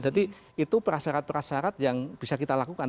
jadi itu perasyarat perasyarat yang bisa kita lakukan